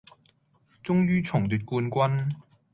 終於重奪冠軍